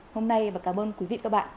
hôm nay cảm ơn quý vị và các bạn